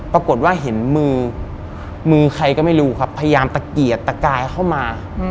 ปรากฏว่าเห็นมือมือใครก็ไม่รู้ครับพยายามตะเกียกตะกายเข้ามา